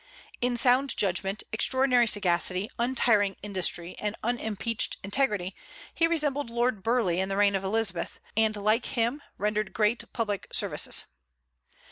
In sound judgment, extraordinary sagacity, untiring industry, and unimpeached integrity, he resembled Lord Burleigh in the reign of Elizabeth, and, like him, rendered great public services.